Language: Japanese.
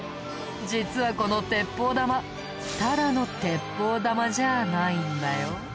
実はこの鉄砲玉ただの鉄砲玉じゃないんだよ。